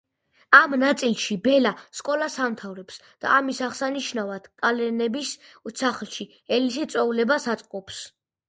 ამ ნაწილში ბელა სკოლას ამთავრებს და ამის აღსანიშნავად კალენების სახლში ელისი წვეულებას აწყობს.